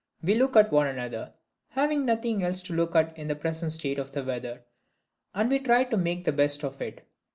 We look at one another having nothing else to look at in the present state of the weather and we try to make the best of it.